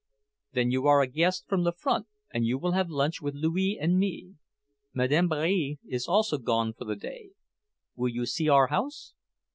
"Then you are a guest from the front, and you will have lunch with Louis and me. Madame Barre is also gone for the day. Will you see our house?"